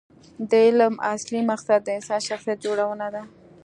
د علم اصلي مقصد د انسان شخصیت جوړونه ده.